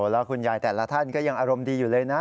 แล้วคุณยายแต่ละท่านก็ยังอารมณ์ดีอยู่เลยนะ